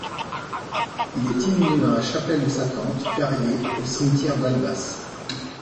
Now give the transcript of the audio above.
Il est inhumé dans la chapelle de sa tante, Carrié, au cimetière d'Albas.